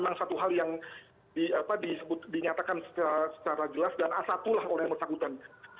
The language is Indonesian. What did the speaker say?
memang satu hal yang dinyatakan secara jelas dan asatulah oleh masakutan